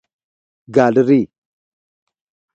ګالري